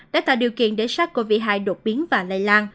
đã tạo điều kiện để sát covid hai đột biến và lây lan